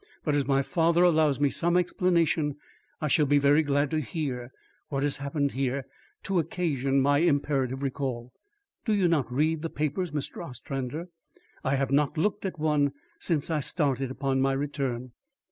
"But as my father allows me some explanation, I shall be very glad to hear what has happened here to occasion my imperative recall." "Do you not read the papers, Mr. Ostrander?" "I have not looked at one since I started upon my return."